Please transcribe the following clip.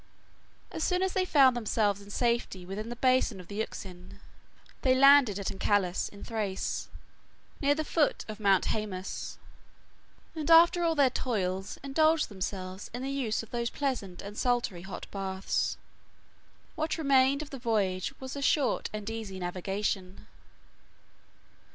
As soon as they found themselves in safety within the basin of the Euxine, they landed at Anchialus in Thrace, near the foot of Mount Hæmus; and, after all their toils, indulged themselves in the use of those pleasant and salutary hot baths. What remained of the voyage was a short and easy navigation.